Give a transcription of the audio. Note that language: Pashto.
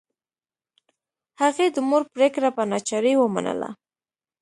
هغې د مور پریکړه په ناچارۍ ومنله